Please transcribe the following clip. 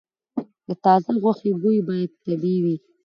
د تازه غوښې بوی باید طبیعي وي.